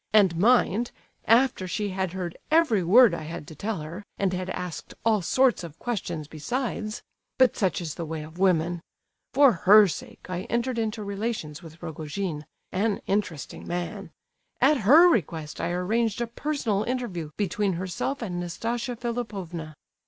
And mind, after she had heard every word I had to tell her, and had asked all sorts of questions besides—but such is the way of women. For her sake I entered into relations with Rogojin—an interesting man! At her request I arranged a personal interview between herself and Nastasia Philipovna.